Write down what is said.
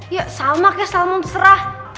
ya salma kayak salmon terserah